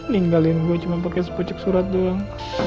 ninggalin gue cuma pake sepucuk surat doang